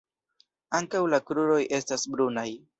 Ankaŭ la kruroj estas brunaj.